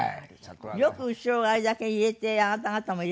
よく後ろをあれだけ入れてあなた方も入れて撮れましたね。